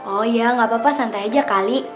oh ya gak apa apa santai aja kali